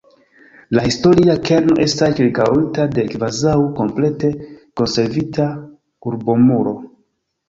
La historia kerno estas ĉirkaŭita de kvazaŭ komplete konservita urbomuro.